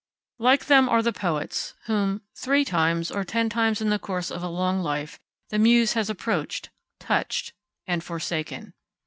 Like them are the poets whom, three times or ten times in the course of a long life, the Muse has approached, touched, and forsaken.